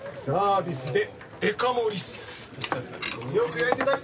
サービスで「デカ」盛りっす。